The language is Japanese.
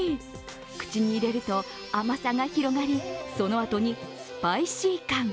口に入れると、甘さが広がりそのあとにスパイシー感。